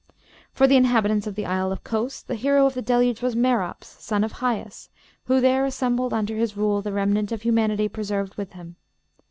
For the inhabitants of the Isle of Cos the hero of the Deluge was Merops, son of Hyas, who there assembled under his rule the remnant of humanity preserved with him.